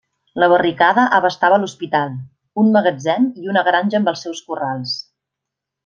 La barricada abastava l'hospital, un magatzem i una granja amb els seus corrals.